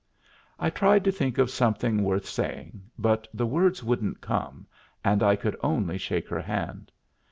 I tried to think of something worth saying, but the words wouldn't come, and I could only shake her hand.